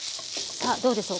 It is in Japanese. さあどうでしょう。